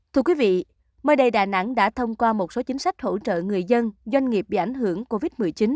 thưa quý vị mới đây đà nẵng đã thông qua một số chính sách hỗ trợ người dân doanh nghiệp bị ảnh hưởng covid một mươi chín